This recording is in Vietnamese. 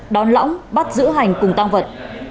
đón lõng bắt giữ hành cùng tăng vật